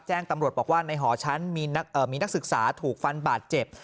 แจ้งตำรวจบอกว่าในหอชั้นมีนักศึกษาถูกฟันบาดเจ็บ